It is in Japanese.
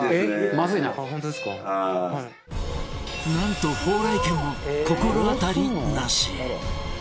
なんと宝来軒も心当たりなし